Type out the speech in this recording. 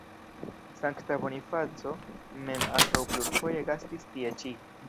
Sankta Bonifaco mem ankaŭ plurfoje gastis tie ĉi.